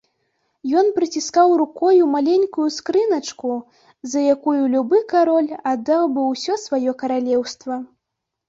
Ён прыціскаў рукой маленькую скрыначку, за якую любы кароль аддаў бы ўсё сваё каралеўства.